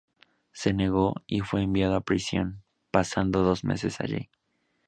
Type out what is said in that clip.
Se negó, y fue enviado a prisión, pasando dos meses allí.